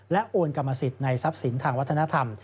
โอนกรรมสิทธิ์ในทรัพย์สินทางวัฒนธรรม